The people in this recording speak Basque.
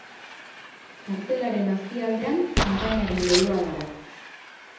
Kartelaren azpialdean kanpainaren leloa dago.